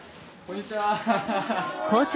こんにちは。